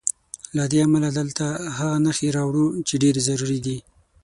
له دې امله دلته هغه نښې راوړو چې ډېرې ضروري دي.